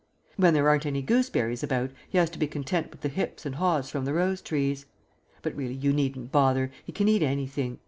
When there aren't any gooseberries about he has to be content with the hips and haws from the rose trees. But really you needn't bother, he can eat anything.